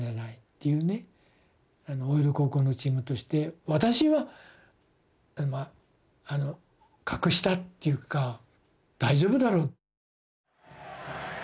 大淀高校のチームとして私はまあ格下っていうか大丈夫だろう。